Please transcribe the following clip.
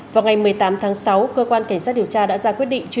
vào ngày một mươi tám tháng sáu cơ quan cảnh sát điều tra đã ra quyết định